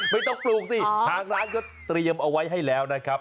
ปลูกสิทางร้านก็เตรียมเอาไว้ให้แล้วนะครับ